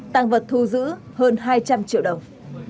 tăng vật thu giữ hơn hai trăm linh triệu đồng